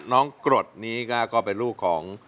กรดนี้ก็เป็นลูกของ